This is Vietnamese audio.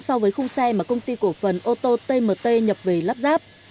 so với khung xe mà công ty cổ phần ô tô tmt nhập về lắp ráp